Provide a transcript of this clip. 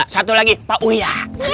satu lagi pak uya